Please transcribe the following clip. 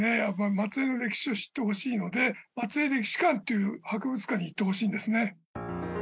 松江の歴史を知ってほしいので松江歴史館という博物館に行ってほしいんですね。